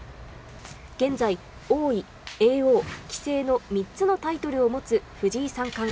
現在、王位、叡王、棋聖の３つのタイトルを持つ藤井三冠。